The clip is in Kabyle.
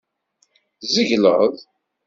Tzegled.